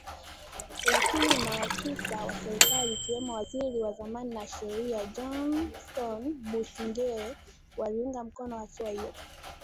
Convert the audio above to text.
lakini maafisa wa serikali akiwemo waziri wa zamani wa sheria Johnston Busingye waliunga mkono hatua hiyo